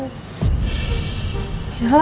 belum serba lagi